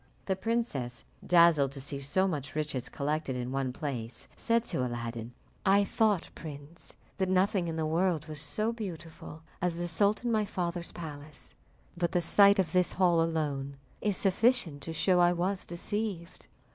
The princess, dazzled to see so much riches collected in one place, said to Aladdin, "I thought, prince, that nothing in the world was so beautiful as the sultan my father's palace, but the sight of this hall alone is sufficient to show I was deceived."